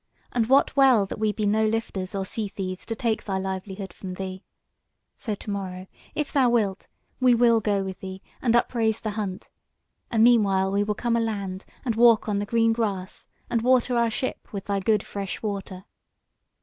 And wot well that we be no lifters or sea thieves to take thy livelihood from thee. So to morrow, if thou wilt, we will go with thee and upraise the hunt, and meanwhile we will come aland, and walk on the green grass, and water our ship with thy good fresh water."